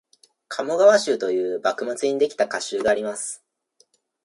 「鴨川集」という幕末にできた歌集があります